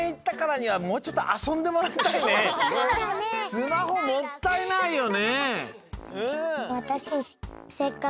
スマホもったいないよね。